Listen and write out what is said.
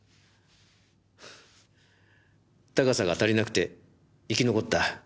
高さが足りなくて生き残った。